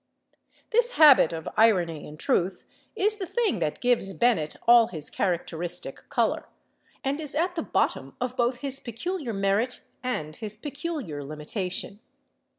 This habit of irony, in truth, is the thing that gives Bennett all his characteristic color, and is at the bottom of both his peculiar merit and his peculiar limitation.